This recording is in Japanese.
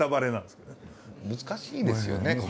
難しいですよね。